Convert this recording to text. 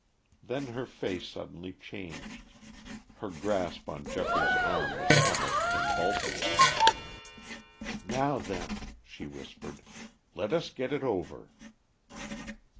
Then her face suddenly changed; her grasp on Geoffrey's arm was almost convulsive. "Now then," she whispered. "Let us get it over."